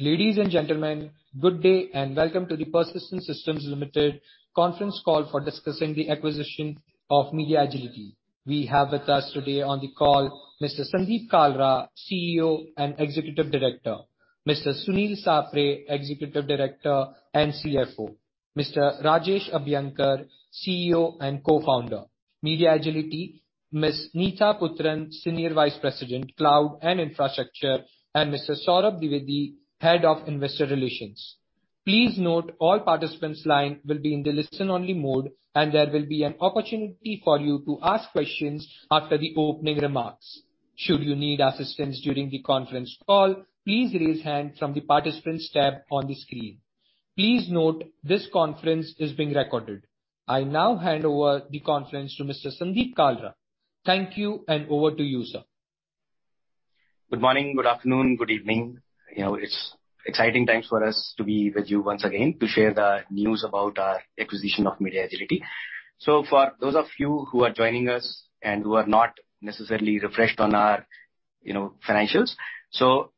Ladies and gentlemen, good day and welcome to the Persistent Systems Limited conference call for discussing the acquisition of MediaAgility. We have with us today on the call Mr. Sandeep Kalra, CEO and Executive Director. Mr. Sunil Sapre, Executive Director and CFO. Mr. Rajesh Abhyankar, CEO and Co-founder, MediaAgility. Ms. Nitha Puthran, Senior Vice President, Cloud and Infrastructure. And Mr. Saurabh Dwivedi, Head of Investor Relations. Please note all participants' line will be in the listen-only mode, and there will be an opportunity for you to ask questions after the opening remarks. Should you need assistance during the conference call, please raise hand from the Participants tab on the screen. Please note this conference is being recorded. I now hand over the conference to Mr. Sandeep Kalra. Thank you, and over to you, sir. Good morning, good afternoon, good evening. You know, it's exciting times for us to be with you once again to share the news about our acquisition of MediaAgility. For those of you who are joining us and who are not necessarily refreshed on our, you know, financials. For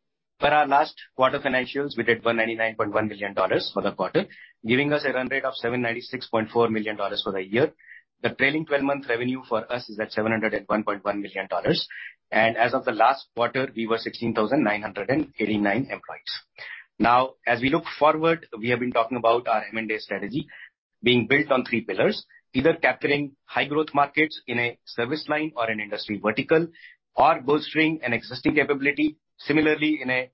our last quarter financials, we did $199.1 million for the quarter, giving us a run rate of $796.4 million for the year. The trailing 12-month revenue for us is at $701.1 million. As of the last quarter, we were 16,989 employees. Now, as we look forward, we have been talking about our M&A strategy being built on three pillars. Either capturing high growth markets in a service line or an industry vertical or bolstering an existing capability similarly in a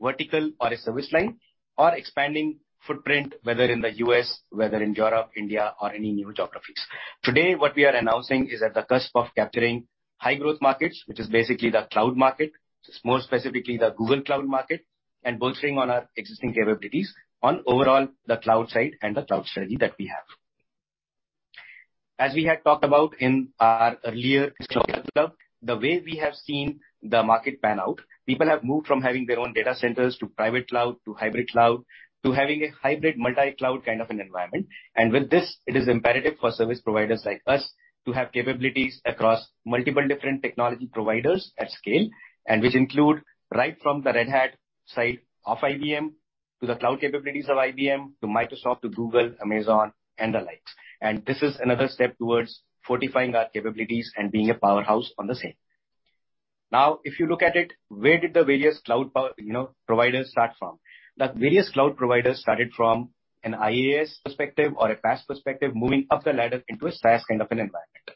vertical or a service line or expanding footprint, whether in the U.S., whether in Europe, India, or any new geographies. Today, what we are announcing is at the cusp of capturing high growth markets, which is basically the cloud market. It's more specifically the Google Cloud market, and bolstering on our existing capabilities on overall the cloud side and the cloud strategy that we have. As we had talked about in our earlier historical development, the way we have seen the market pan out, people have moved from having their own data centers to private cloud, to hybrid cloud, to having a hybrid multi-cloud kind of an environment. With this, it is imperative for service providers like us to have capabilities across multiple different technology providers at scale, and which include right from the Red Hat side of IBM to the cloud capabilities of IBM to Microsoft to Google, Amazon, and the likes. This is another step towards fortifying our capabilities and being a powerhouse on the same. Now, if you look at it, where did the various cloud providers start from? The various cloud providers started from an IaaS perspective or a PaaS perspective, moving up the ladder into a SaaS kind of an environment.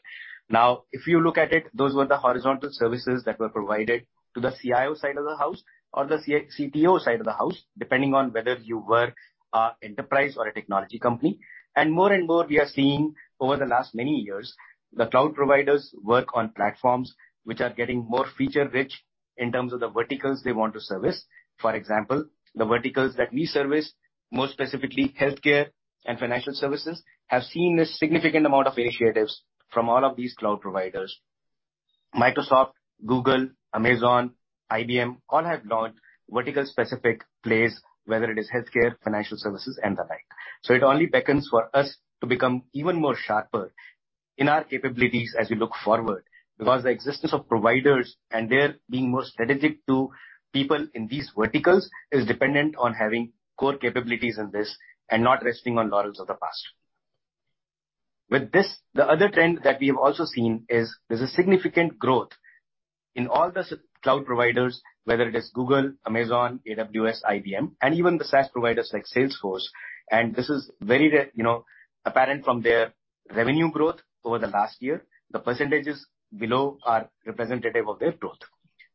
Now, if you look at it, those were the horizontal services that were provided to the CIO side of the house or the CTO side of the house, depending on whether you were an enterprise or a technology company. More and more we are seeing over the last many years, the cloud providers work on platforms which are getting more feature-rich in terms of the verticals they want to service. For example, the verticals that we service, more specifically healthcare and financial services, have seen a significant amount of initiatives from all of these cloud providers. Microsoft, Google, Amazon, IBM all have launched vertical-specific plays, whether it is healthcare, financial services and the like. It only beckons for us to become even more sharper in our capabilities as we look forward. Because the existence of providers and their being more strategic to people in these verticals is dependent on having core capabilities in this and not resting on laurels of the past. With this, the other trend that we have also seen is there's a significant growth in all the cloud providers, whether it is Google, Amazon, AWS, IBM, and even the SaaS providers like Salesforce. This is very you know, apparent from their revenue growth over the last year. The percentages below are representative of their growth.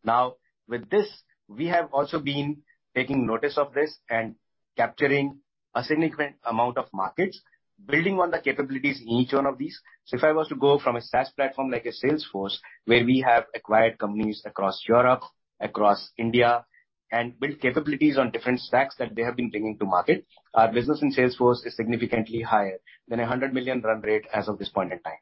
Now, with this, we have also been taking notice of this and capturing a significant amount of markets, building on the capabilities in each one of these. If I was to go from a SaaS platform like a Salesforce, where we have acquired companies across Europe, across India, and built capabilities on different stacks that they have been bringing to market. Our business in Salesforce is significantly higher than $100 million run rate as of this point in time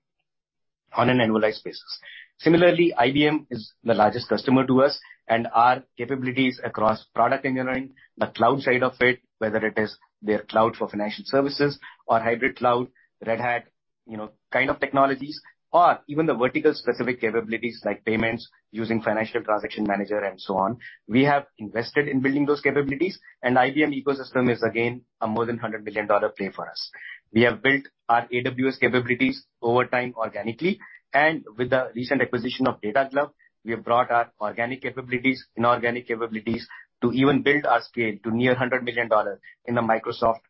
on an annualized basis. Similarly, IBM is the largest customer to us, and our capabilities across product engineering, the cloud side of it. Whether it is their cloud for financial services or hybrid cloud, Red Hat, you know, kind of technologies, or even the vertical-specific capabilities like payments using Financial Transaction Manager and so on. We have invested in building those capabilities. IBM ecosystem is again a more than $100 million play for us. We have built our AWS capabilities over time organically. With the recent acquisition of Data Glove, we have brought our organic capabilities, inorganic capabilities to even build our scale to near $100 million in the Microsoft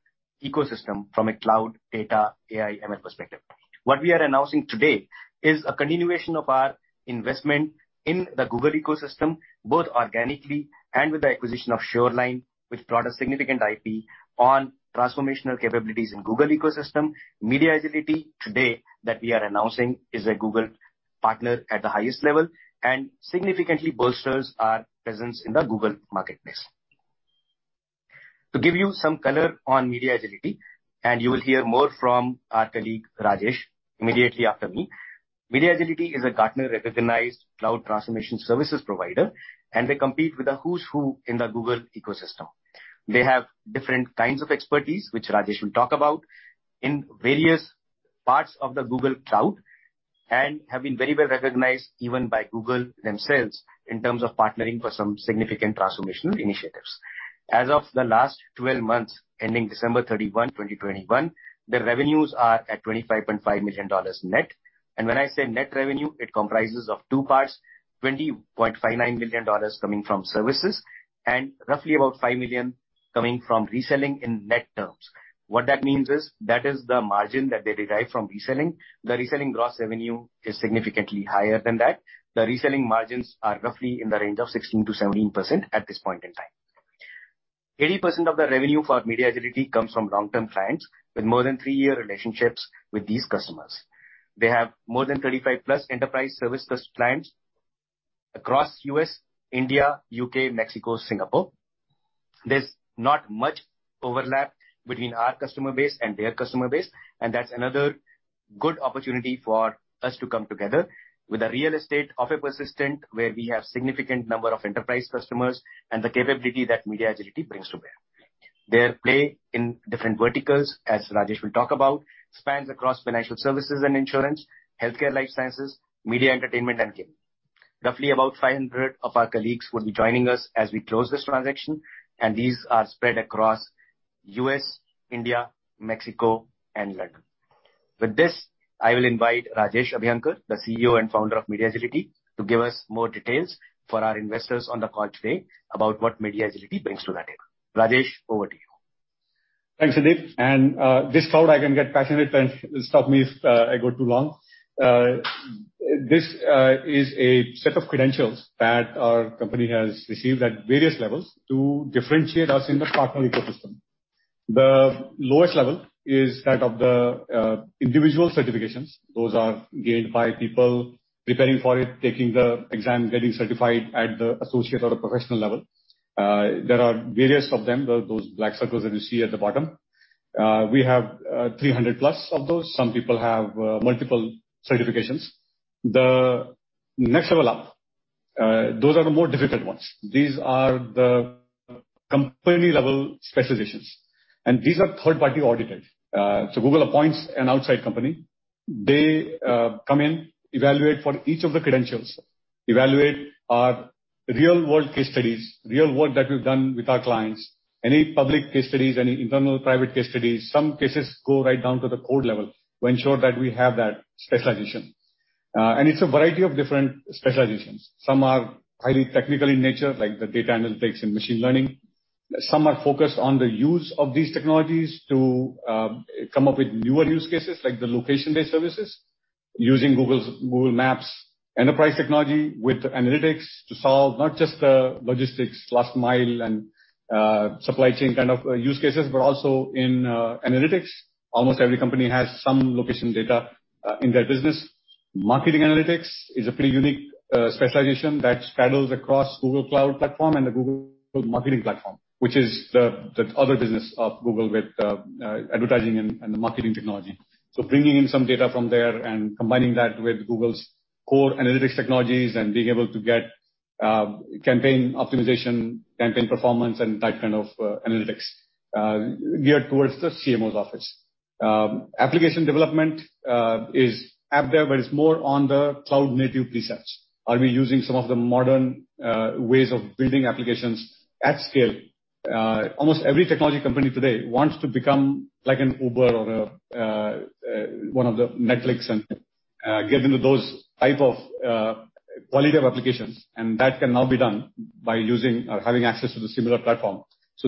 ecosystem from a cloud, data, AI, ML perspective. What we are announcing today is a continuation of our investment in the Google ecosystem, both organically and with the acquisition of Sureline. Which brought a significant IP on transformational capabilities in Google ecosystem. MediaAgility today that we are announcing is a Google partner at the highest level and significantly bolsters our presence in the Google marketplace. To give you some color on MediaAgility, and you will hear more from our colleague Rajesh immediately after me. MediaAgility is a Gartner-recognized cloud transformation services provider. They compete with the who's who in the Google ecosystem. They have different kinds of expertise, which Rajesh will talk about, in various parts of the Google Cloud, and have been very well recognized even by Google themselves in terms of partnering for some significant transformational initiatives. As of the last 12 months, ending December 31, 2021, their revenues are at $25.5 million net. When I say net revenue, it comprises of two parts, $25.9 million coming from services and roughly about $5 million coming from reselling in net terms. What that means is, that is the margin that they derive from reselling. The reselling gross revenue is significantly higher than that. The reselling margins are roughly in the range of 16% to 17% at this point in time. 80% of the revenue for MediaAgility comes from long-term clients with more than three-year relationships with these customers. They have more than 35+ enterprise service clients across U.S., India, U.K., Mexico, Singapore. There's not much overlap between our customer base and their customer base, and that's another good opportunity for us to come together with the real estate of a Persistent, where we have significant number of enterprise customers and the capability that MediaAgility brings to bear. Their play in different verticals, as Rajesh will talk about, spans across financial services and insurance, healthcare, life sciences, media, entertainment, and gaming. Roughly about 500 of our colleagues will be joining us as we close this transaction, and these are spread across U.S., India, Mexico, and London. With this, I will invite Rajesh Abhyankar, the CEO and founder of MediaAgility, to give us more details for our investors on the call today about what MediaAgility brings to the table. Rajesh, over to you. Thanks, Sandeep. This cloud I can get passionate and stop me if I go too long. This is a set of credentials that our company has received at various levels to differentiate us in the partner ecosystem. The lowest level is that of the individual certifications. Those are gained by people preparing for it, taking the exam, getting certified at the associate or the professional level. There are various of them, those black circles that you see at the bottom. We have 300+ of those. Some people have multiple certifications. The next level up, those are the more difficult ones. These are the company-level specializations, and these are third-party audited. So Google appoints an outside company. They come in, evaluate for each of the credentials, evaluate our real-world case studies, real work that we've done with our clients, any public case studies, any internal private case studies. Some cases go right down to the code level to ensure that we have that specialization. It's a variety of different specializations. Some are highly technical in nature, like the data analytics and machine learning. Some are focused on the use of these technologies to come up with newer use cases like the location-based services using Google Maps enterprise technology with analytics to solve not just the logistics last mile and supply chain kind of use cases, but also in analytics. Almost every company has some location data in their business. Marketing analytics is a pretty unique specialization that straddles across Google Cloud Platform and the Google Marketing Platform, which is the other business of Google with advertising and the marketing technology. Bringing in some data from there and combining that with Google's core analytics technologies and being able to get campaign optimization, campaign performance, and that kind of analytics geared towards the CMO's office. Application development is up there, but it's more on the cloud-native precepts. Are we using some of the modern ways of building applications at scale? Almost every technology company today wants to become like an Uber or one of the Netflix and get into those type of quality of applications, and that can now be done by using or having access to the similar platform.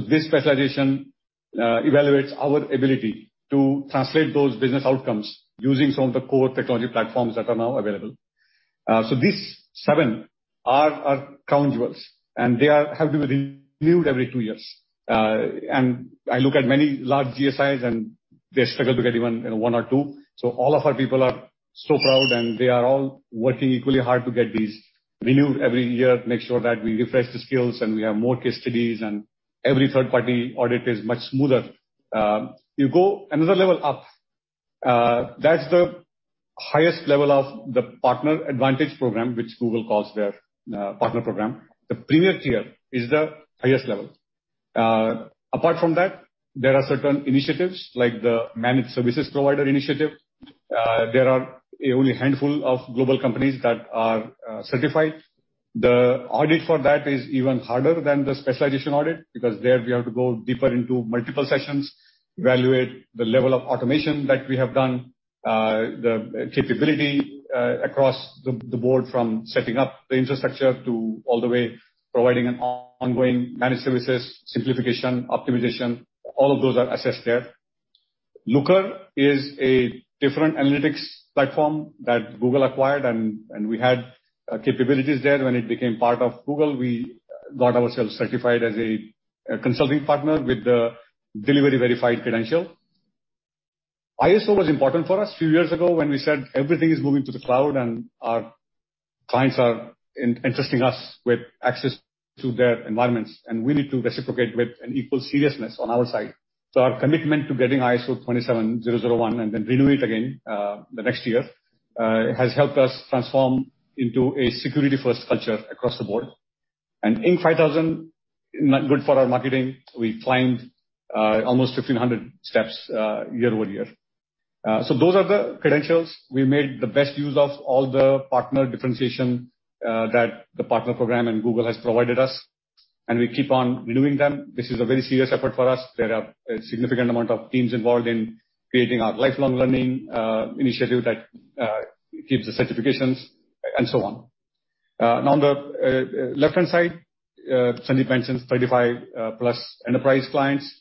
This specialization evaluates our ability to translate those business outcomes using some of the core technology platforms that are now available. These seven are our crown jewels, and they have to be renewed every two years. I look at many large GSIs and they struggle to get even, you know, one or two. All of our people are so proud, and they are all working equally hard to get these renewed every year, make sure that we refresh the skills, and we have more case studies, and every third party audit is much smoother. You go another level up, that's the highest level of the Partner Advantage program, which Google calls their partner program. The premier tier is the highest level. Apart from that, there are certain initiatives like the Managed Services Provider initiative. There are only a handful of global companies that are certified. The audit for that is even harder than the specialization audit because there we have to go deeper into multiple sessions, evaluate the level of automation that we have done, the capability across the board from setting up the infrastructure to all the way providing an ongoing managed services, simplification, optimization, all of those are assessed there. Looker is a different analytics platform that Google acquired and we had capabilities there. When it became part of Google, we got ourselves certified as a consulting partner with the delivery verified credential. ISO was important for us a few years ago when we said everything is moving to the cloud and our clients are interesting us with access to their environments, and we need to reciprocate with an equal seriousness on our side. Our commitment to getting ISO 27001 and then renew it again, the next year, has helped us transform into a security-first culture across the board. Inc. 5000, not good for our marketing. We climbed almost 1,500 steps year-over-year. Those are the credentials. We made the best use of all the partner differentiation that the partner program and Google has provided us, and we keep on renewing them. This is a very serious effort for us. There are a significant amount of teams involved in creating our lifelong learning initiative that gives the certifications and so on. Now on the left-hand side, Sandeep mentioned 35+ enterprise clients.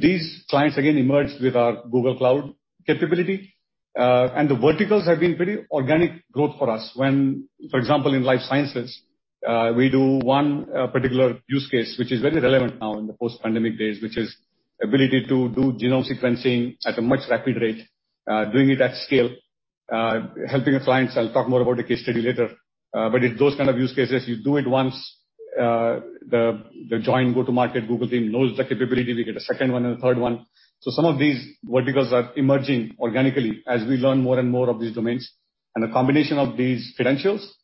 These clients again emerged with our Google Cloud capability. The verticals have been pretty organic growth for us. When, for example, in life sciences, we do one particular use case which is very relevant now in the post-pandemic days, which is ability to do genome sequencing at a much rapid rate, doing it at scale, helping the clients. I'll talk more about the case study later. It's those kind of use cases you do it once. The joint go-to-market Google team knows the capability. They get a second one and a third one. Some of these verticals are emerging organically as we learn more and more of these domains. The combination of these credentials,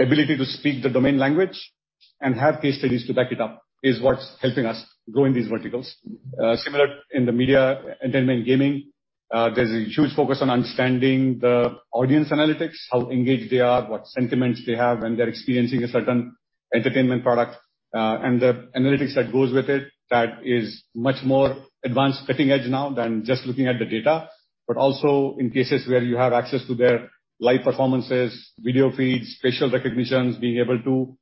ability to speak the domain language, and have case studies to back it up is what's helping us grow in these verticals. Similar in the media, entertainment, gaming, there's a huge focus on understanding the audience analytics, how engaged they are, what sentiments they have when they're experiencing a certain entertainment product, and the analytics that goes with it that is much more advanced, cutting edge now than just looking at the data. Also in cases where you have access to their live performances, video feeds, facial recognitions, being able to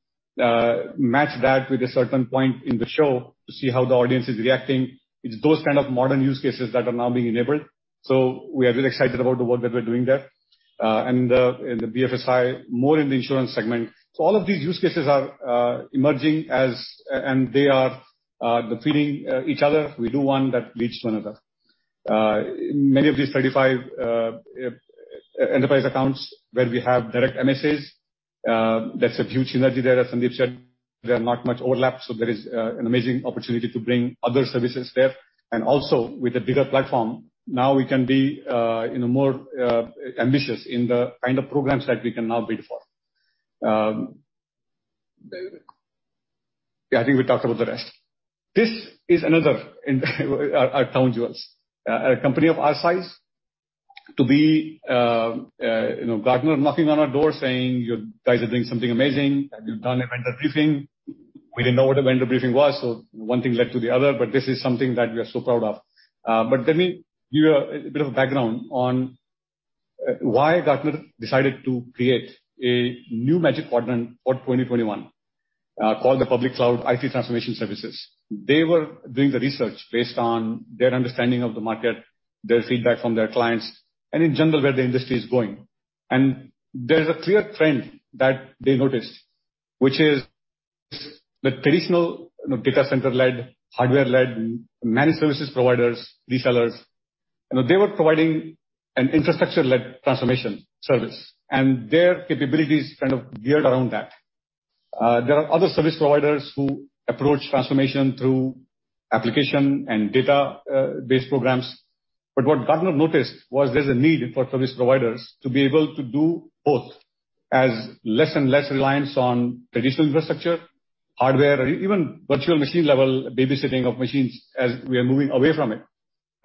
match that with a certain point in the show to see how the audience is reacting. It's those kind of modern use cases that are now being enabled. We are really excited about the work that we're doing there. And the BFSI more in the insurance segment. All of these use cases are emerging as and they are feeding each other. We do one that leads to another. Many of these 35 enterprise accounts where we have direct MSS, that's a huge synergy there, as Sandeep said. There are not much overlap, so there is an amazing opportunity to bring other services there. Also with a bigger platform, now we can be, you know, more ambitious in the kind of programs that we can now bid for. Yeah, I think we talked about the rest. This is another in our crown jewels. A company of our size to be, you know, Gartner knocking on our door saying, "You guys are doing something amazing. Have you done a vendor briefing?" We didn't know what a vendor briefing was, so one thing led to the other. This is something that we are so proud of. let me give you a bit of a background on why Gartner decided to create a new Magic Quadrant for 2021, called the Public Cloud IT Transformation Services. They were doing the research based on their understanding of the market, their feedback from their clients, and in general, where the industry is going. There's a clear trend that they noticed, which is the traditional, you know, data center-led, hardware-led managed services providers, resellers. You know, they were providing an infrastructure-led transformation service, and their capabilities kind of geared around that. There are other service providers who approach transformation through application and data-based programs. What Gartner noticed was there's a need for service providers to be able to do both as less and less reliance on traditional infrastructure, hardware, or even virtual machine level babysitting of machines as we are moving away from it.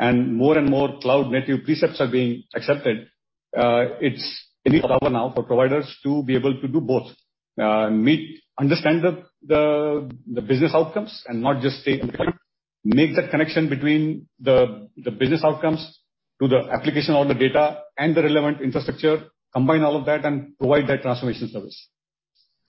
More and more cloud-native precepts are being accepted. It's a need for providers to be able to do both. We understand the business outcomes and not just stay on the cloud. Make that connection between the business outcomes to the application or the data and the relevant infrastructure, combine all of that, and provide that transformation service.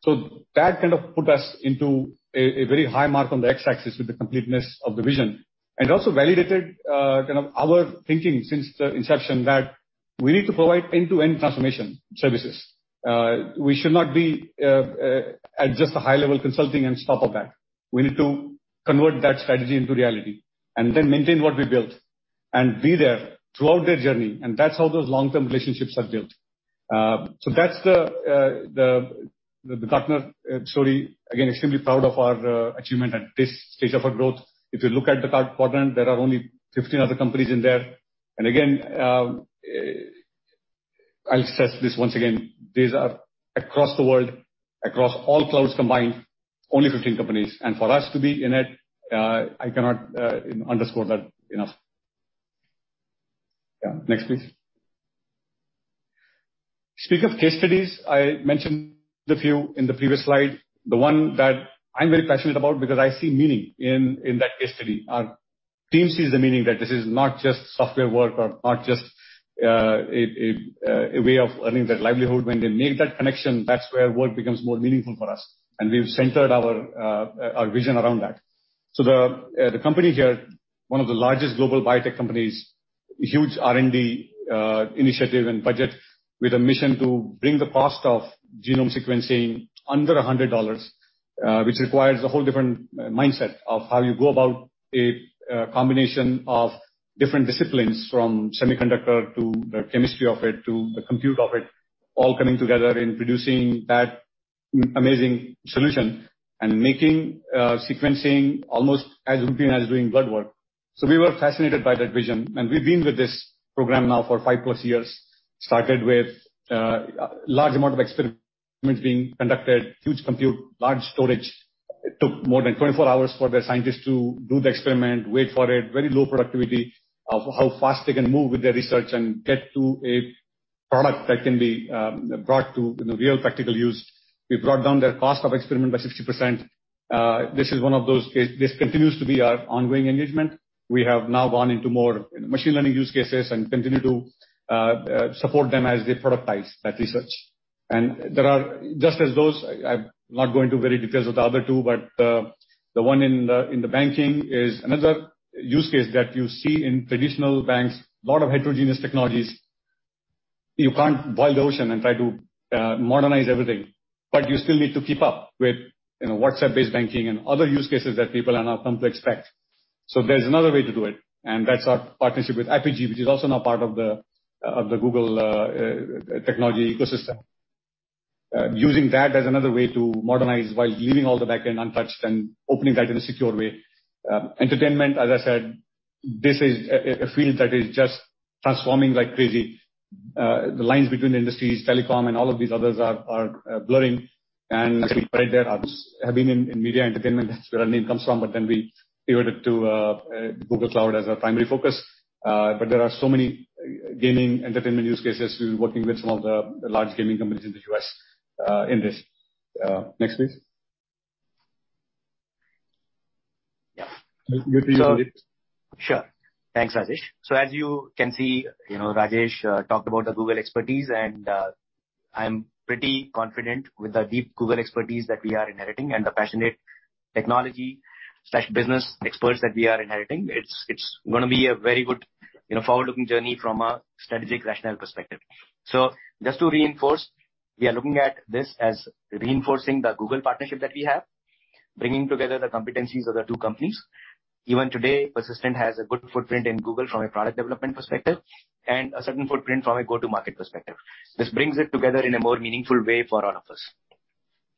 That kind of put us into a very high mark on the X-axis with the completeness of the vision, and also validated kind of our thinking since the inception that we need to provide end-to-end transformation services. We should not be at just a high level consulting and stop at that. We need to convert that strategy into reality and then maintain what we built and be there throughout their journey. That's how those long-term relationships are built. That's the Gartner story. Again, extremely proud of our achievement at this stage of our growth. If you look at the Quadrant, there are only 15 other companies in there. Again, I'll stress this once again. These are across the world, across all clouds combined, only 15 companies. For us to be in it, I cannot underscore that enough. Yeah. Next, please. Speak of case studies. I mentioned a few in the previous slide. The one that I'm very passionate about because I see meaning in that case study. Our team sees the meaning that this is not just software work or not just a way of earning their livelihood. When they make that connection, that's where work becomes more meaningful for us. We've centered our vision around that. The company here, one of the largest global biotech companies, huge R&D initiative and budget with a mission to bring the cost of genome sequencing under $100, which requires a whole different mindset of how you go about a combination of different disciplines, from semiconductor to the chemistry of it, to the compute of it, all coming together in producing that amazing solution. Making sequencing almost as routine as doing blood work. We were fascinated by that vision, and we've been with this program now for 5+ years. Started with large amount of experiments being conducted, huge compute, large storage. It took more than 24 hours for the scientists to do the experiment, wait for it, very low productivity of how fast they can move with their research and get to a product that can be brought to, you know, real practical use. We brought down their cost of experiment by 60%. This is one of those case. This continues to be our ongoing engagement. We have now gone into more machine learning use cases and continue to support them as they productize that research. Just as those, I'm not going to very details of the other two, but the one in the banking is another use case that you see in traditional banks. A lot of heterogeneous technologies. You can't boil the ocean and try to modernize everything, but you still need to keep up with, you know, WhatsApp-based banking and other use cases that people are now come to expect. There's another way to do it, and that's our partnership with Apigee, which is also now part of the Google technology ecosystem. Using that as another way to modernize while leaving all the back end untouched and opening that in a secure way. Entertainment, as I said, this is a field that is just transforming like crazy. The lines between industries, telecom, and all of these others are blurring. Actually, Red Hat have been in media entertainment. That's where our name comes from. Then we pivoted to Google Cloud as our primary focus. There are so many gaming entertainment use cases. We're working with some of the large gaming companies in the U.S., in this. Next, please. Yeah. Over to you, Sandeep. Sure. Thanks, Rajesh. As you can see, you know, Rajesh talked about the Google expertise, and I'm pretty confident with the deep Google expertise that we are inheriting and the passionate technology/business experts that we are inheriting. It's gonna be a very good, you know, forward-looking journey from a strategic rationale perspective. Just to reinforce, we are looking at this as reinforcing the Google partnership that we have, bringing together the competencies of the two companies. Even today, Persistent has a good footprint in Google from a product development perspective and a certain footprint from a go-to-market perspective. This brings it together in a more meaningful way for all of us.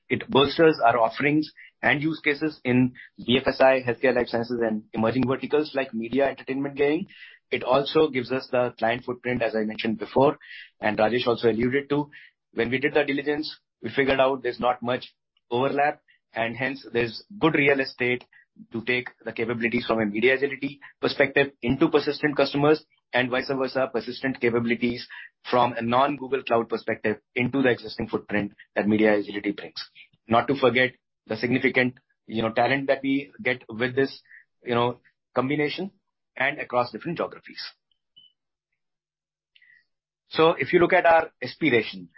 It bolsters our offerings and use cases in BFSI, healthcare life sciences, and emerging verticals like media, entertainment, gaming. It also gives us the client footprint, as I mentioned before, and Rajesh also alluded to. When we did the diligence, we figured out there's not much overlap, and hence there's good real estate to take the capabilities from a MediaAgility perspective into Persistent customers and vice versa, Persistent capabilities from a non-Google Cloud perspective into the existing footprint that MediaAgility brings. Not to forget the significant, you know, talent that we get with this, you know, combination and across different geographies. If you look at our aspiration,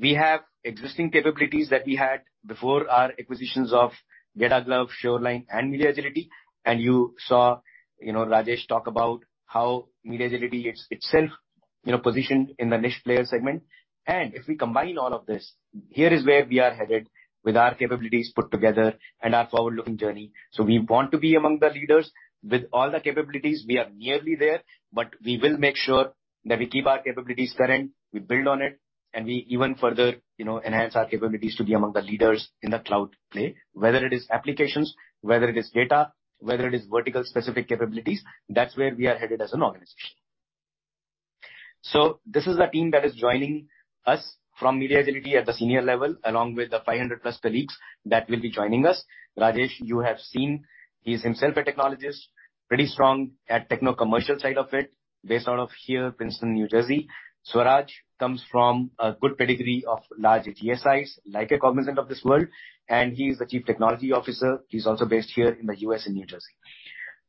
we have existing capabilities that we had before our acquisitions of Data Glove, Sureline and MediaAgility. You saw, you know, Rajesh talk about how MediaAgility is itself, you know, positioned in the niche player segment. If we combine all of this, here is where we are headed with our capabilities put together and our forward-looking journey. We want to be among the leaders. With all the capabilities, we are nearly there, but we will make sure that we keep our capabilities current, we build on it, and we even further, you know, enhance our capabilities to be among the leaders in the cloud play. Whether it is applications, whether it is data, whether it is vertical-specific capabilities, that's where we are headed as an organization. This is the team that is joining us from MediaAgility at the senior level, along with the 500+ colleagues that will be joining us. Rajesh, you have seen, he's himself a technologist, pretty strong at techno-commercial side of it, based out of here, Princeton, New Jersey. Swaraj comes from a good pedigree of large GSIs, like a Cognizant of this world, and he is the Chief Technology Officer. He's also based here in the U.S. in New Jersey.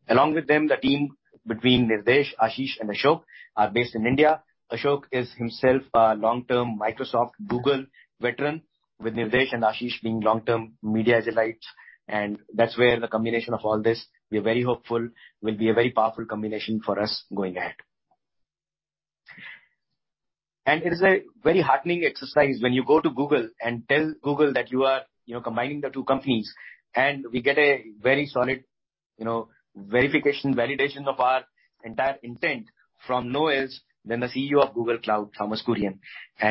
Along with them, the team between Nirdesh, Ashish and Ashok are based in India. Ashok is himself a long-term Microsoft and Google veteran, with Nirdesh and Ashish being long-term MediaAgility. That's where the combination of all this, we're very hopeful, will be a very powerful combination for us going ahead. It is a very heartening exercise when you go to Google and tell Google that you are, you know, combining the two companies and we get a very solid, you know, verification, validation of our entire intent from no one else than the CEO of Google Cloud, Thomas Kurian.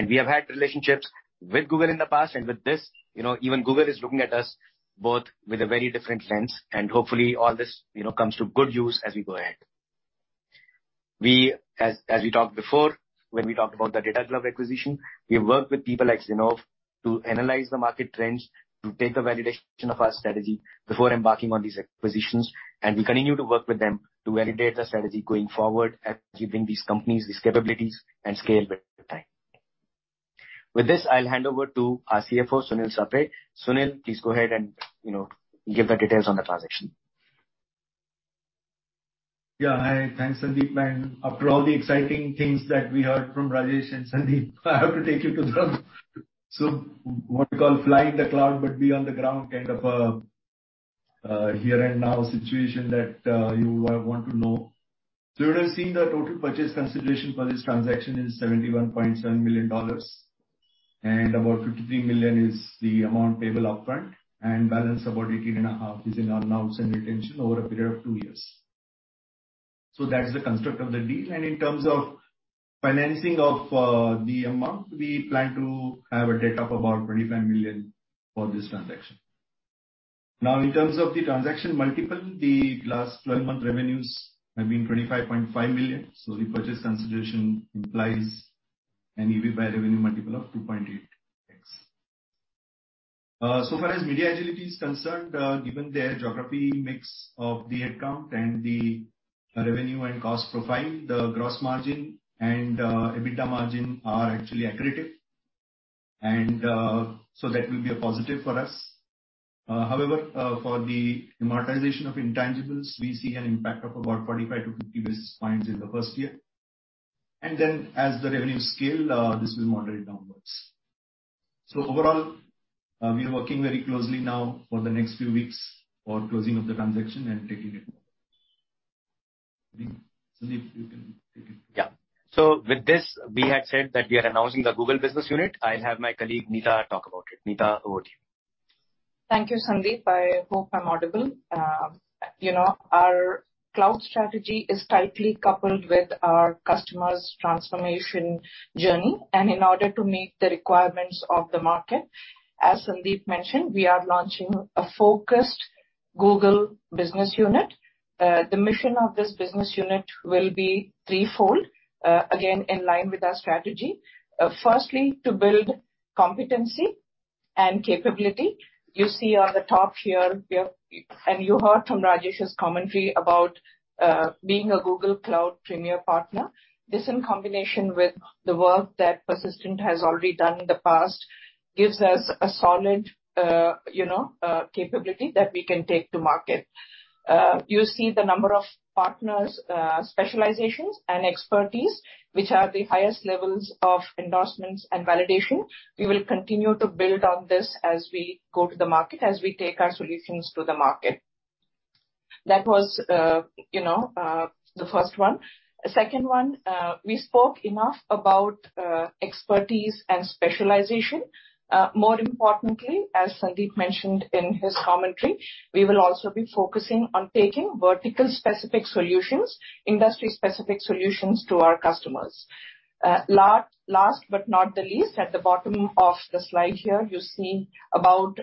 We have had relationships with Google in the past and with this, you know, even Google is looking at us both with a very different lens. Hopefully all this, you know, comes to good use as we go ahead. As we talked before, when we talked about the Data Glove acquisition, we work with people like Zinnov to analyze the market trends, to take the validation of our strategy before embarking on these acquisitions. We continue to work with them to validate the strategy going forward and keeping these companies, these capabilities and scale with time. With this, I'll hand over to our CFO, Sunil Sapre. Sunil, please go ahead and, you know, give the details on the transaction. Yeah. Hi. Thanks, Sandeep. After all the exciting things that we heard from Rajesh and Sandeep, I have to take you to the, so what you call flying the cloud, but be on the ground kind of a, here and now situation that you want to know. You would have seen the total purchase consideration for this transaction is $71.7 million, and about $53 million is the amount payable upfront, and balance of $18.5 million is in earn-outs and retention over a period of two years. That is the construct of the deal. In terms of financing of the amount, we plan to have a debt of about $25 million for this transaction. Now in terms of the transaction multiple, the last 12-month revenues have been $25.5 million. The purchase consideration implies an EBITDA revenue multiple of 2.8x. Far as MediaAgility is concerned, given their geography mix of the headcount and the revenue and cost profile, the gross margin and EBITDA margin are actually accretive. That will be a positive for us. However, for the amortization of intangibles, we see an impact of about 45 basis points to 50 basis points in the first year. Then as the revenues scale, this will moderate downwards. Overall, we are working very closely now for the next few weeks for closing of the transaction and taking it forward. Sandeep, you can take it. Yeah. With this, we had said that we are announcing the Google Business Unit. I'll have my colleague Nitha talk about it. Nitha, over to you. Thank you, Sandip. I hope I'm audible. You know, our cloud strategy is tightly coupled with our customers' transformation journey. In order to meet the requirements of the market, as Sandip mentioned, we are launching a focused Google Business Unit. The mission of this business unit will be threefold, again, in line with our strategy. Firstly, to build competency and capability. You see on the top here we have. You heard from Rajesh's commentary about being a Google Cloud premier partner. This in combination with the work that Persistent has already done in the past gives us a solid capability that we can take to market. You see the number of partners, specializations and expertise which have the highest levels of endorsements and validation. We will continue to build on this as we go to the market, as we take our solutions to the market. That was, you know, the first one. Second one, we spoke enough about expertise and specialization. More importantly, as Sandip mentioned in his commentary, we will also be focusing on taking vertical specific solutions, industry specific solutions to our customers. Last but not the least, at the bottom of the slide here, you see about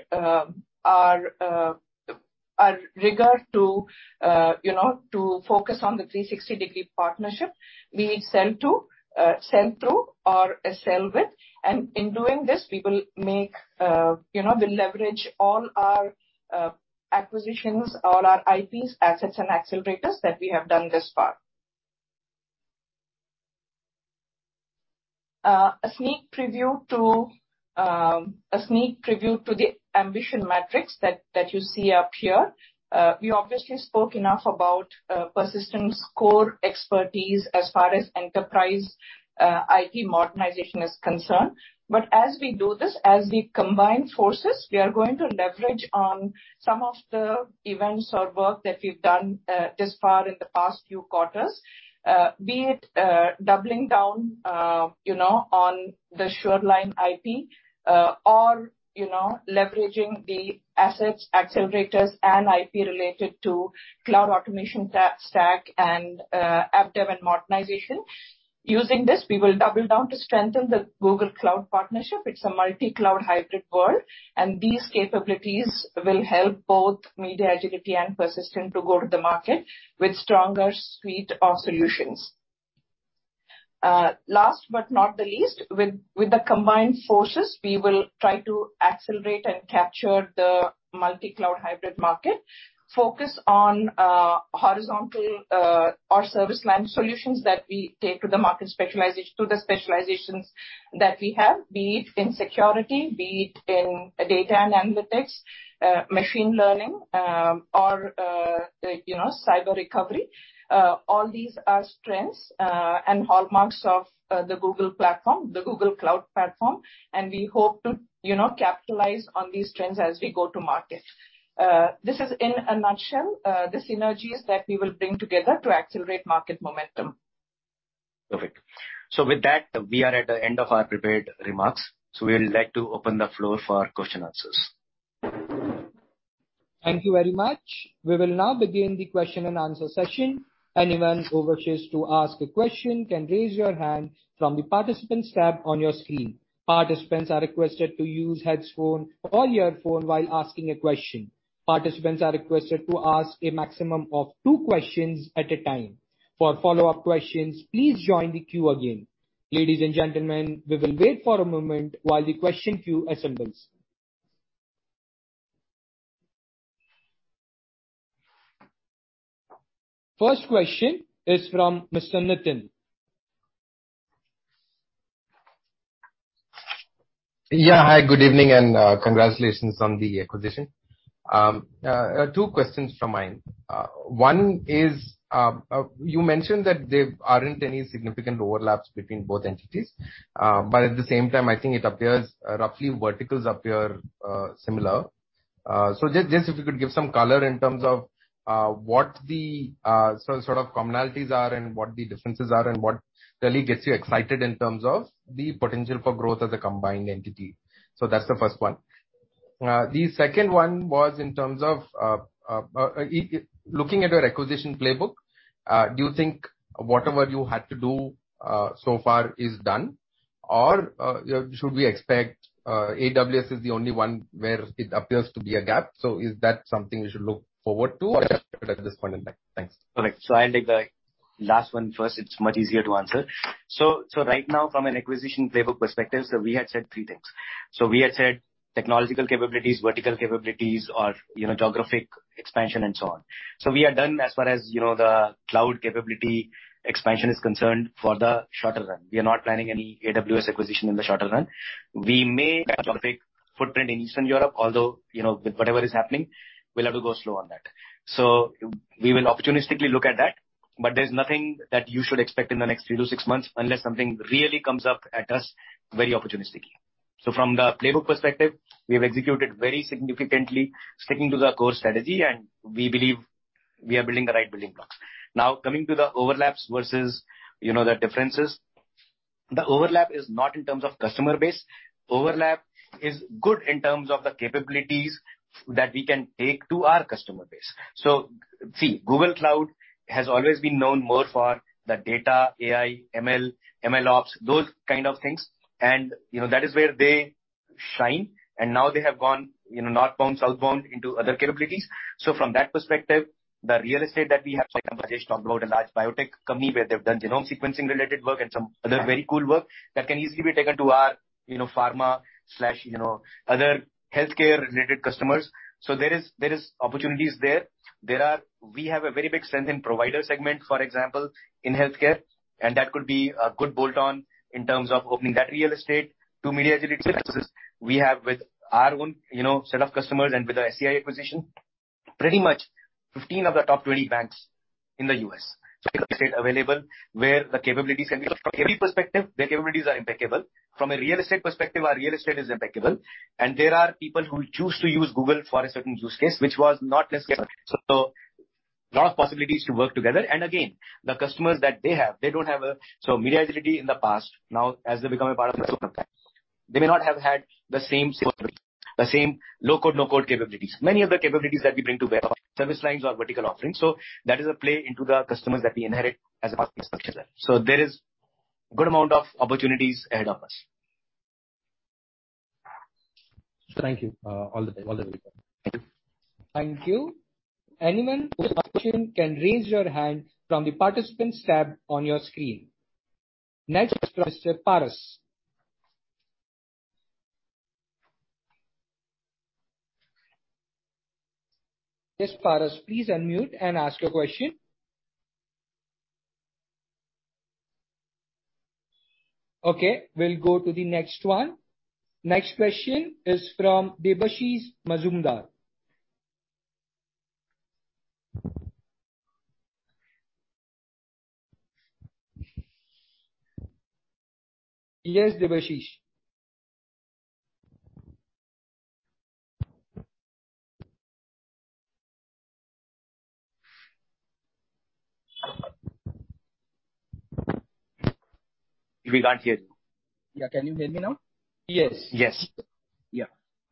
our rigor to, you know, to focus on the 360-degree partnership. We sell to, sell through or sell with. In doing this, we will make, you know, we'll leverage all our acquisitions, all our IPs, assets and accelerators that we have done thus far. A sneak preview to the ambition metrics that you see up here. We obviously spoke enough about Persistent's core expertise as far as enterprise IT modernization is concerned. As we do this, as we combine forces, we are going to leverage on some of the events or work that we've done this far in the past few quarters. Be it doubling down, you know, on the Sureline IP, or, you know, leveraging the assets, accelerators and IP related to cloud automation stack and app dev and modernization. Using this, we will double down to strengthen the Google Cloud partnership. It's a multi-cloud hybrid world, and these capabilities will help both MediaAgility and Persistent to go to the market with stronger suite of solutions. Last but not the least, with the combined forces, we will try to accelerate and capture the multi-cloud hybrid market. Focus on horizontal or service line solutions that we take to the market to the specializations that we have. Be it in security, be it in data and analytics, machine learning, or, you know, cyber recovery. All these are strengths and hallmarks of the Google platform, the Google Cloud Platform. We hope to, you know, capitalize on these trends as we go to market. This is, in a nutshell, the synergies that we will bring together to accelerate market momentum. Perfect. With that, we are at the end of our prepared remarks. We would like to open the floor for question answers. Thank you very much. We will now begin the question and answer session. Anyone who wishes to ask a question can raise your hand from the Participants tab on your screen. Participants are requested to use headphone or earphone while asking a question. Participants are requested to ask a maximum of two questions at a time. For follow-up questions, please join the queue again. Ladies and gentlemen, we will wait for a moment while the question queue assembles. First question is from Mr. Nitin. Hi, good evening and congratulations on the acquisition. Two questions from my end. One is, you mentioned that there aren't any significant overlaps between both entities. But at the same time, I think it appears, roughly verticals appear, similar. Just if you could give some color in terms of, what the sort of commonalities are and what the differences are, and what really gets you excited in terms of the potential for growth of the combined entity. That's the first one. The second one was in terms of, looking at your acquisition playbook, do you think whatever you had to do, so far is done? Or, should we expect, AWS is the only one where it appears to be a gap. Is that something we should look forward to at this point in time? Thanks. Correct. I'll take the last one first. It's much easier to answer. Right now from an acquisition playbook perspective, so we had said three things. We had said technological capabilities, vertical capabilities or, you know, geographic expansion and so on. We are done as far as, you know, the cloud capability expansion is concerned for the shorter run. We are not planning any AWS acquisition in the shorter run. We may have a geographic footprint in Eastern Europe, although, you know, with whatever is happening, we'll have to go slow on that. We will opportunistically look at that. But there's nothing that you should expect in the next three to six months unless something really comes up at us very opportunistically. From the playbook perspective, we have executed very significantly sticking to the core strategy, and we believe we are building the right building blocks. Now, coming to the overlaps versus, you know, the differences. The overlap is not in terms of customer base. Overlap is good in terms of the capabilities that we can take to our customer base. See, Google Cloud has always been known more for the data, AI, ML, MLOps, those kind of things. You know, that is where they shine. Now they have gone, you know, northbound, southbound into other capabilities. From that perspective, the real estate that we have talked about, a large biotech company where they've done genome sequencing related work and some other very cool work that can easily be taken to our, you know, pharma, you know, other healthcare related customers. There are opportunities there. We have a very big strength in provider segment, for example, in healthcare. That could be a good bolt-on in terms of opening that real estate to MediaAgility services. We have with our own, you know, set of customers and with the SCI acquisition, pretty much 15 of the top 20 banks in the U.S. Estate available where the capabilities can be. From every perspective, their capabilities are impeccable. From a real estate perspective, our real estate is impeccable. There are people who choose to use Google for a certain use case which was not necessarily. A lot of possibilities to work together. Again, the customers that they have, they don't have a. MediaAgility in the past, now as they become a part of this organization, they may not have had the same capabilities, the same low-code, no-code capabilities. Many of the capabilities that we bring to bear service lines or vertical offerings. That is a play into the customers that we inherit as a part of the structure there. There is good amount of opportunities ahead of us. Thank you. All the very best. Thank you. Thank you. Anyone with question can raise your hand from the participants tab on your screen. Next is Mr. Paras. Yes, Paras, please unmute and ask your question. Okay, we'll go to the next one. Next question is from Debashish Mazumdar. Yes, Debashish. We can't hear you. Yeah. Can you hear me now? Yes. Yes.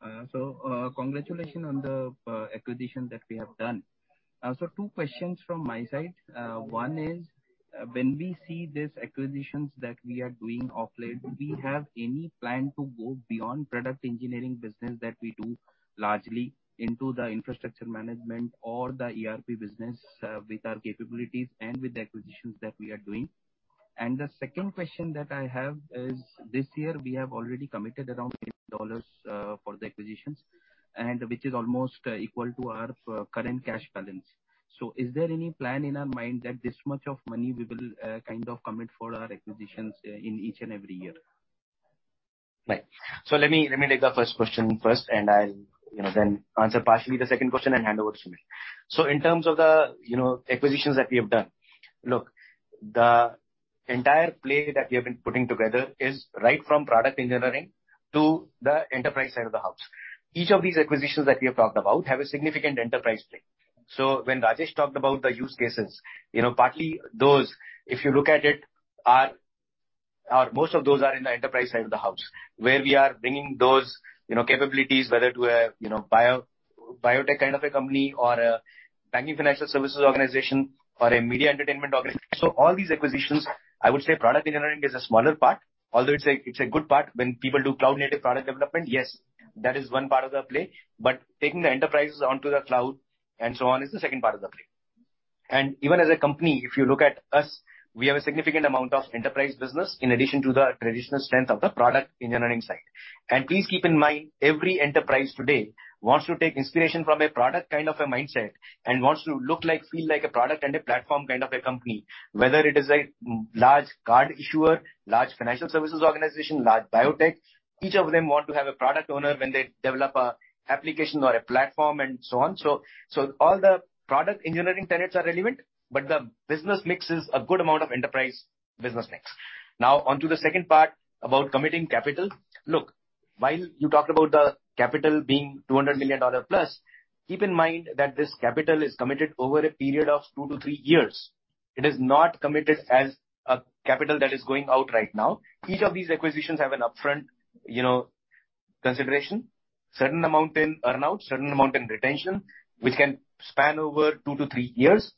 Congratulations on the acquisition that we have done. Two questions from my side. One is, when we see these acquisitions that we are doing of late, do we have any plan to go beyond product engineering business that we do largely into the infrastructure management or the ERP business with our capabilities and with the acquisitions that we are doing? The second question that I have is this year we have already committed around $8 for the acquisitions, which is almost equal to our current cash balance. Is there any plan in our mind that this much of money we will kind of commit for our acquisitions in each and every year? Right. Let me take the first question first and I'll, you know, then answer partially the second question and hand over to Sunil Sapre. In terms of the acquisitions that we have done. Look, the entire play that we have been putting together is right from product engineering to the enterprise side of the house. Each of these acquisitions that we have talked about have a significant enterprise play. When Rajesh Abhyankar talked about the use cases, you know, partly those, if you look at it, are most of those are in the enterprise side of the house where we are bringing those, you know, capabilities whether to a biotech kind of a company or a banking financial services organization or a media entertainment organization. All these acquisitions, I would say product engineering is a smaller part, although it's a good part. When people do cloud-native product development, yes, that is one part of the play. Taking the enterprises onto the cloud and so on is the second part of the play. Even as a company, if you look at us, we have a significant amount of enterprise business in addition to the traditional strength of the product engineering side. Please keep in mind, every enterprise today wants to take inspiration from a product kind of a mindset and wants to look like, feel like a product and a platform kind of a company. Whether it is a large card issuer, large financial services organization, large biotech, each of them want to have a product owner when they develop a application or a platform and so on. All the product engineering tenets are relevant, but the business mix is a good amount of enterprise business mix. Now on to the second part about committing capital. Look, while you talked about the capital being $200 million+, keep in mind that this capital is committed over a period of two to three years. It is not committed as a capital that is going out right now. Each of these acquisitions have an upfront, you know, consideration, certain amount in earn-out, certain amount in retention, which can span over two to three years.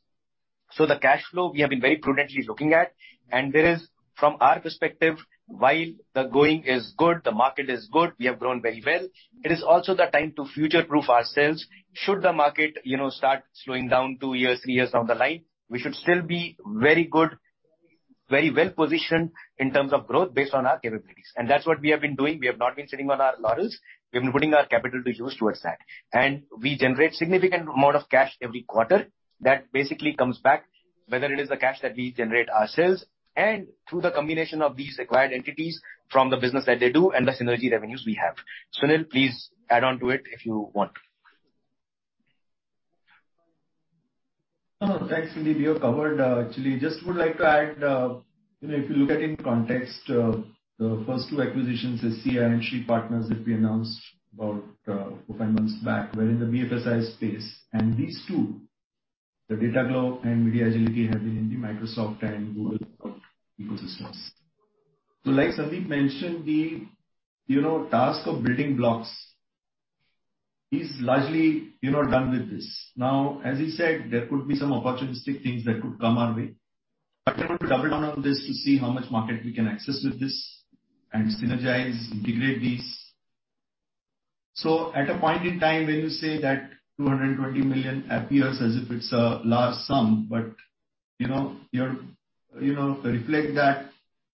The cash flow we have been very prudently looking at, and there is, from our perspective, while the going is good, the market is good, we have grown very well, it is also the time to future-proof ourselves. Should the market, you know, start slowing down two years, three years down the line, we should still be very good, very well-positioned in terms of growth based on our capabilities. That's what we have been doing. We have not been sitting on our laurels. We've been putting our capital to use towards that. We generate significant amount of cash every quarter that basically comes back, whether it is the cash that we generate ourselves and through the combination of these acquired entities from the business that they do and the synergy revenues we have. Sunil, please add on to it if you want. No, thanks, Sandeep. We have covered, actually. Just would like to add, you know, if you look at in context, the first two acquisitions is SCI and Shree Partners that we announced about four, five months back. We're in the BFSI space. These two, Data Glove and MediaAgility, have been in the Microsoft and Google ecosystems. So like Sandeep mentioned, you know, task of building blocks is largely, you know, done with this. Now, as he said, there could be some opportunistic things that could come our way. We want to double down on this to see how much market we can access with this and synergize, integrate these. At a point in time when you say that $220 million appears as if it's a large sum, but, you know, you're, you know, reflect that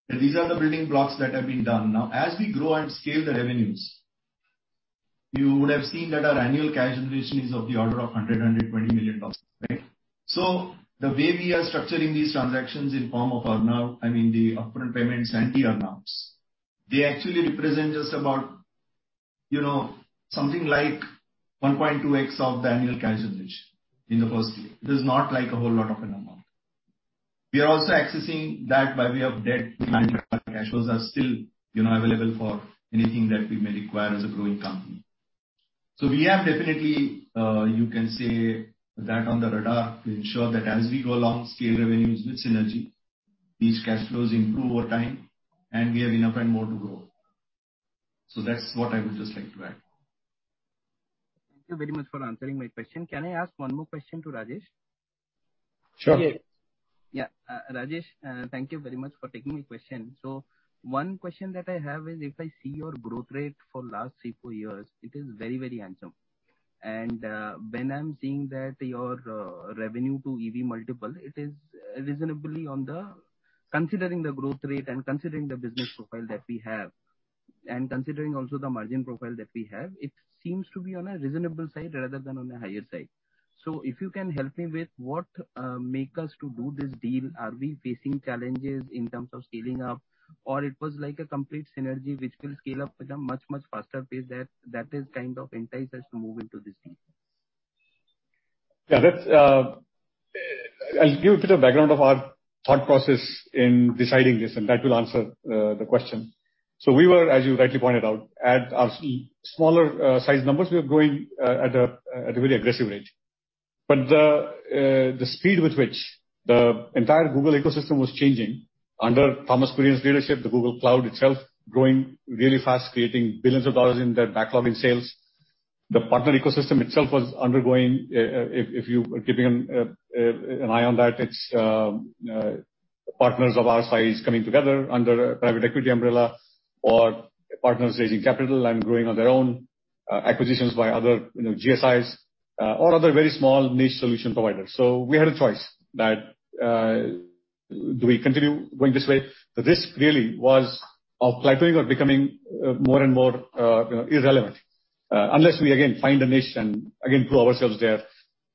these are the building blocks that have been done. Now, as we grow and scale the revenues, you would have seen that our annual cash generation is of the order of $120 million, right? The way we are structuring these transactions in form of earn-out, I mean, the upfront payments and the earn-outs, they actually represent just about, you know, something like 1.2x of the annual cash generation in the first year. It is not like a whole lot of an amount. We are also accessing that by way of debt. Cash flows are still, you know, available for anything that we may require as a growing company. We have definitely, you can say that on the radar to ensure that as we go along, scale revenues with synergy, these cash flows improve over time, and we have enough and more to grow. That's what I would just like to add. Thank you very much for answering my question. Can I ask one more question to Rajesh? Sure. Yes. Yeah. Rajesh, thank you very much for taking my question. One question that I have is if I see your growth rate for last three, four years, it is very, very handsome. When I'm seeing that your revenue to EV multiple, it is reasonably on the considering the growth rate and considering the business profile that we have, and considering also the margin profile that we have, it seems to be on a reasonable side rather than on a higher side. If you can help me with what make us to do this deal. Are we facing challenges in terms of scaling up? Or it was like a complete synergy which will scale up with a much, much faster pace that is kind of entice us to move into this deal? Yeah. That's. I'll give a bit of background of our thought process in deciding this, and that will answer the question. We were, as you rightly pointed out, at our smaller size numbers, growing at a very aggressive rate. The speed with which the entire Google ecosystem was changing under Thomas Kurian's leadership, the Google Cloud itself growing really fast, creating billions of dollars in their backlog in sales. The partner ecosystem itself was undergoing, if you were keeping an eye on that, it's partners of our size coming together under a private equity umbrella or partners raising capital and growing on their own, acquisitions by other, you know, GSIs, or other very small niche solution providers. We had a choice that, do we continue going this way? The risk really was of plateauing or becoming more and more, you know, irrelevant. Unless we again find a niche and again prove ourselves there.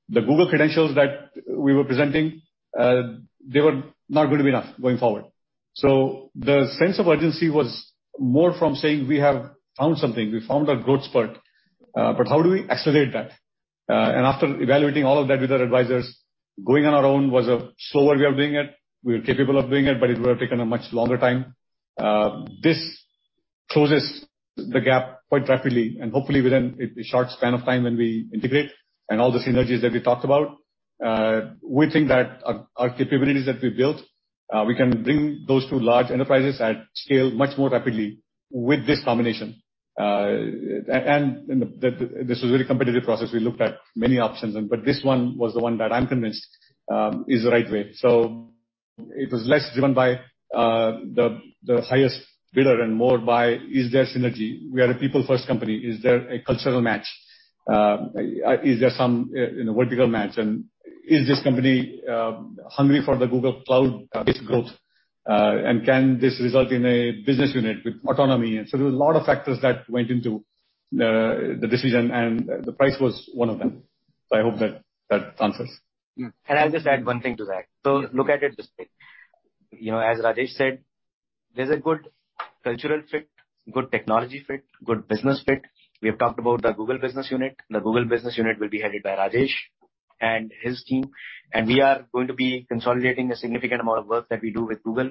The Google credentials that we were presenting, they were not going to be enough going forward. The sense of urgency was more from saying we have found something, we found our growth spurt, but how do we accelerate that? After evaluating all of that with our advisors, going on our own was a slower way of doing it. We were capable of doing it, but it would have taken a much longer time. This closes the gap quite rapidly and hopefully within a short span of time when we integrate and all the synergies that we talked about, we think that our capabilities that we've built, we can bring those to large enterprises at scale much more rapidly with this combination. This was a very competitive process. We looked at many options, but this one was the one that I'm convinced is the right way. It was less driven by the highest bidder and more by is there synergy? We are a people-first company. Is there a cultural match? Is there some, you know, vertical match? Is this company hungry for the Google Cloud growth? Can this result in a business unit with autonomy? There were a lot of factors that went into the decision and the price was one of them. I hope that answers. I'll just add one thing to that. Look at it this way. You know, as Rajesh said, there's a good cultural fit, good technology fit, good business fit. We have talked about the Google Business Unit. The Google Business Unit will be headed by Rajesh and his team. We are going to be consolidating a significant amount of work that we do with Google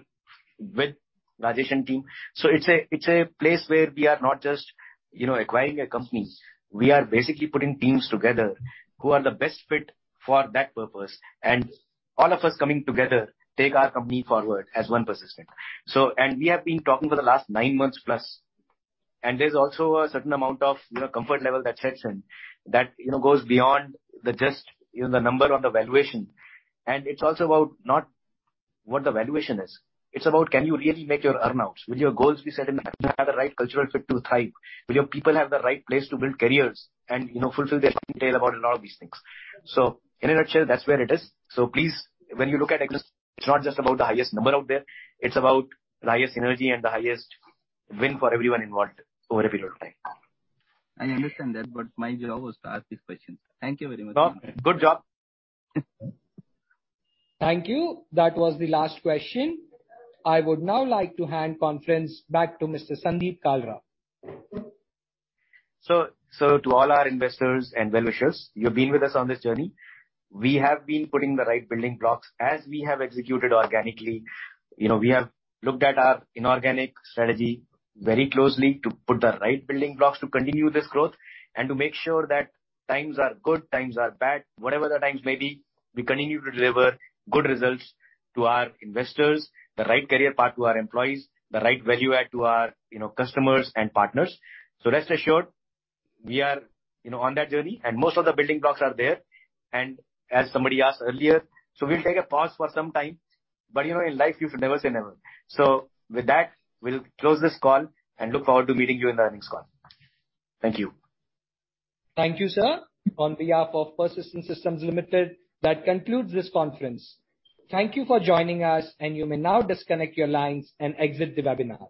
with Rajesh and team. It's a place where we are not just, you know, acquiring a company. We are basically putting teams together who are the best fit for that purpose, and all of us coming together take our company forward as one Persistent. We have been talking for the last 9 months+, and there's also a certain amount of, you know, comfort level that sets in, that, you know, goes beyond the just, you know, the number or the valuation. It's also about not what the valuation is. It's about can you really make your earn-outs? Will your goals be set in a way to have the right cultural fit to thrive? Will your people have the right place to build careers and, you know, fulfill their storytale about a lot of these things? In a nutshell, that's where it is. Please, when you look at acquisition, it's not just about the highest number out there, it's about the highest energy and the highest win for everyone involved over a period of time. I understand that, but my job was to ask these questions. Thank you very much. No, good job. Thank you. That was the last question. I would now like to hand conference back to Mr. Sandeep Kalra. to all our investors and well-wishers, you've been with us on this journey. We have been putting the right building blocks as we have executed organically. You know, we have looked at our inorganic strategy very closely to put the right building blocks to continue this growth and to make sure that times are good, times are bad, whatever the times may be, we continue to deliver good results to our investors, the right career path to our employees, the right value add to our, you know, customers and partners. rest assured, we are, you know, on that journey, and most of the building blocks are there. as somebody asked earlier, we'll take a pause for some time, but you know, in life you should never say never. with that, we'll close this call and look forward to meeting you in the earnings call. Thank you. Thank you, sir. On behalf of Persistent Systems Limited, that concludes this conference. Thank you for joining us, and you may now disconnect your lines and exit the webinar.